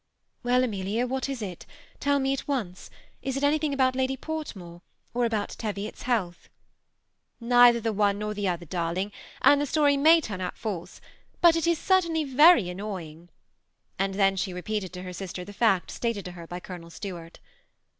^ Well, Amelia, what is it ? Tell me at once. Is it anjthing about Lady Portmore ? or about Teviof s health?'' *' Neither the one nor the other, darling, and the story may turn out false ; but it is certainly very an noying ;" and then she repeated to her sister the facts stated to her by Colonel Stuart.